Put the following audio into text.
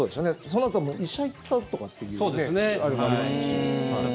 そのあと医者に行ったとかっていうあれもありましたし。